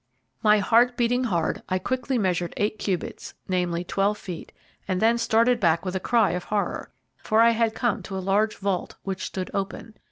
My heart beating hard, I quickly measured eight cubits, namely twelve feet, and then started back with a cry of horror, for I had come to a large vault, which stood open.